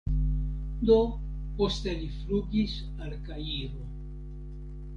Do poste li flugis al Kairo.